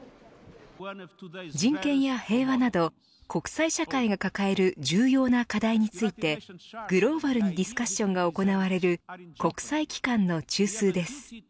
人権や平和など国際社会が抱える重要な課題についてグローバルにディスカッションが行われる国際機関の中枢です。